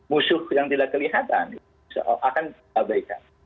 musuh yang tidak kelihatan akan diabaikan